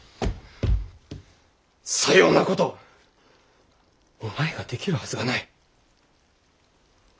さようなことお前ができるはずがない。